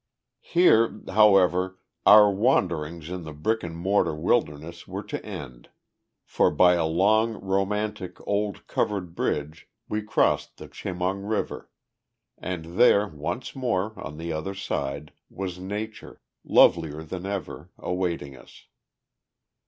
Here, however, our wanderings in the brick and mortar wilderness were to end, for by a long, romantic, old, covered bridge we crossed the Chemung River, and there once more, on the other side, was Nature, lovelier than ever, awaiting us.